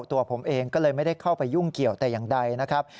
ตัวผมเองก็เลยไม่ได้เข้าไปยุ่งเกี่ยวแต่อย่างใดนะครับ